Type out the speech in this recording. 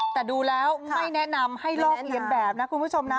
แต่ดูแล้วไม่แนะนำให้ลอกเรียนแบบนะคุณผู้ชมนะ